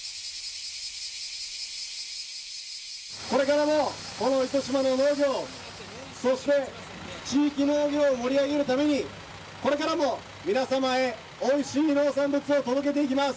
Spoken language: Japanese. これからもこの糸島の農業そして地域農業を盛り上げるためにこれからも皆様へおいしい農産物を届けていきます。